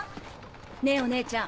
ねぇお姉ちゃん